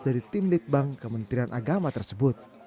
dari tim litbang kementerian agama tersebut